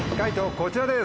こちらです。